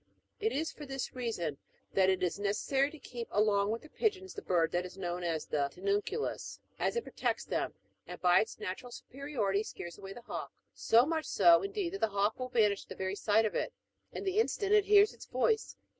(37.) It is for this reason that it is necessary to keep along with the pigeons the bird that is known as the " tinnim culus;"^^ as it protects them, and by its natural superiority scares away the hawk ; so much so, indeed, that the hawk will vanish at the very sight of it, and the instant it hears its voice.